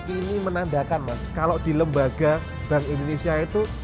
ini menandakan mas kalau di lembaga bank indonesia itu